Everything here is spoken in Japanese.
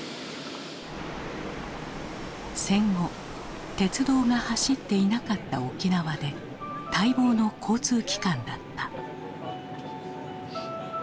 戦後鉄道が走っていなかった沖縄で待望の交通機関だった。